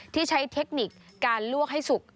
ที่ใช้เทคนิคการลวกให้สุก